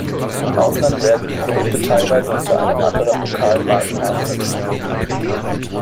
Im Ausland werden die Produkte teilweise unter einem anderen, lokalen Markennamen vertrieben.